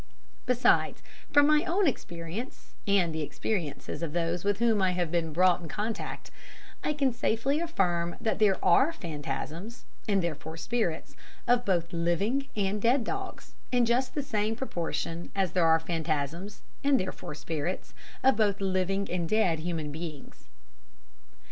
Besides, from my own experience, and the experiences of those with whom I have been brought in contact, I can safely affirm that there are phantasms (and therefore spirits) of both living and dead dogs in just the same proportion as there are phantasms (and therefore spirits) of both living and dead human beings.